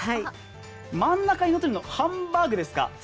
真ん中にのってるのはハンバーグですか？